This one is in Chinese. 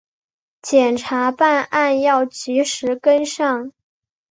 检察办案要及时跟上